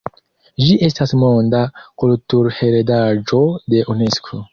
Ĝi estas Monda Kulturheredaĵo de Unesko.